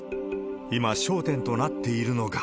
今、焦点となっているのが。